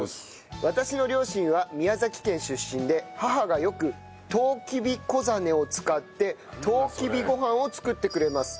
私の両親は宮崎県出身で母がよくとうきびこざねを使ってとうきびご飯を作ってくれます。